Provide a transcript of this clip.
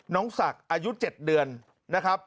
น้องศักดิ์อายุ๗เดือนนะครับ